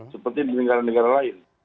seperti di negara negara lain